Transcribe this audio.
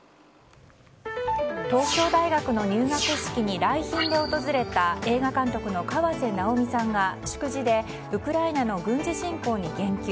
東京大学の入学式に来賓で訪れた映画監督の河瀬直美さんが祝辞でウクライナの軍事侵攻に言及。